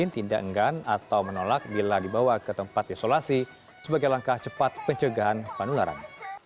tidak enggan atau menolak bila dibawa ke tempat isolasi sebagai langkah cepat pencegahan penularan